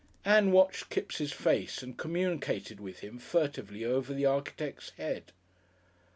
Ann watched Kipps' face and communicated with him furtively over the architect's head.